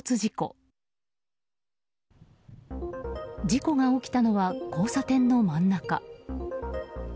事故が起きたのは交差点の真ん中。